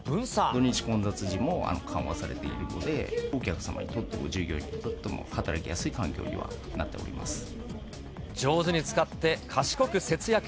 土日の混雑時も緩和されているので、お客様にとっても、従業員にとっても、働きやすい環上手に使って、賢く節約。